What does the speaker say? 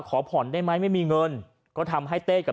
ก็ได้พลังเท่าไหร่ครับ